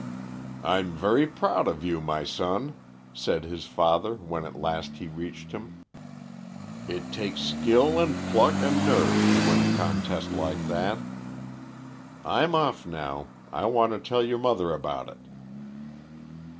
"I'm very proud of you, my son," said his father, when at last he reached him. "It takes skill and pluck and nerve to win a contest like that. I'm off now; I want to tell your mother about it."